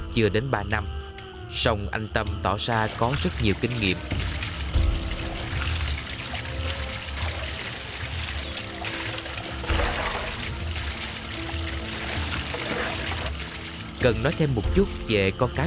chưa đến ba năm sông anh tâm tỏ ra có rất nhiều kinh nghiệm cần nói thêm một chút về con cá